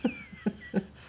フフフ！